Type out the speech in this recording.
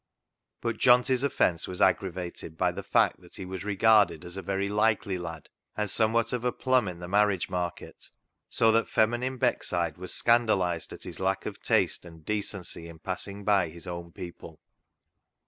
But Johnty's offence was aggravated by the fact that he was regarded as a very " likely " lad, and somewhat of a plum in the marriage market. So that feminine Beckside was scan dalised at his lack of taste and decency in passing by his own people.